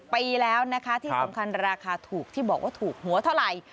ปีแล้วนะคะที่สำคัญราคาถูกที่บอกว่าถูกหัวเท่าไหร่